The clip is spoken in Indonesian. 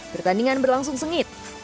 pertandingan berlangsung sengit